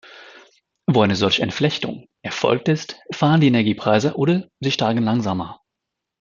Wo eine solche Entflechtung erfolgt ist, fallen die Energiepreise oder sie steigen langsamer.